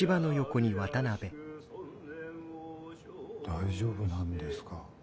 大丈夫なんですか？